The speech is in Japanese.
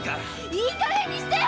いいかげんにしてよ！